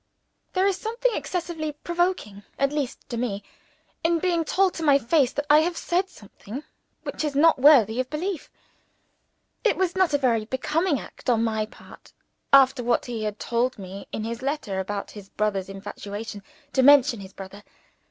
There is something excessively provoking at least to me in being told to my face that I have said something which is not worthy of belief. It was not a very becoming act on my part (after what he had told me in his letter about his brother's infatuation) to mention his brother.